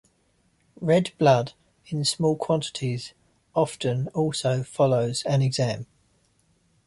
Red blood in small quantities often also follows an exam.